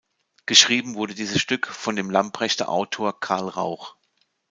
Geschrieben wurde dieses Stück von dem Lambrechter Autor Karl Rauch.